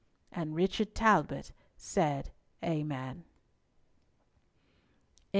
And Richard Talbot said Amen.